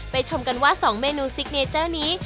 ชมกันว่า๒เมนูซิกเนเจอร์นี้